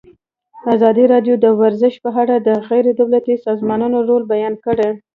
ازادي راډیو د ورزش په اړه د غیر دولتي سازمانونو رول بیان کړی.